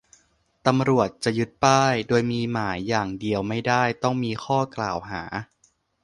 ตำรวจจะยึดป้าย โดยมีหมายอย่างเดียวไม่ได้ ต้องมีข้อกล่าวหา